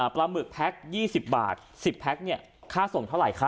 หมึกแพ็ค๒๐บาท๑๐แพ็คเนี่ยค่าส่งเท่าไหร่คะ